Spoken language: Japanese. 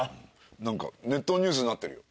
何かネットニュースになってるよ。